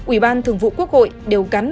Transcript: ủy ban thường vụ quốc hội đều gắn